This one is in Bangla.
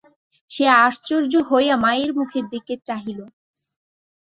সে আশ্চর্য হইয়া মায়ের মুখের দিকে চাহিল।